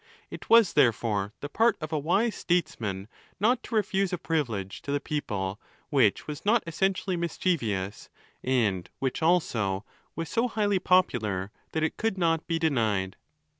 It was, therefore, the part of a wise statesman not to refuse a privilege to the people, which was not essen tially mischievous, and which also was so highly popular that. it could not be denied.